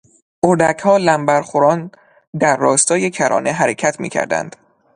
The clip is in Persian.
اردکها لمبر خوران در راستای کرانه حرکت میکردند.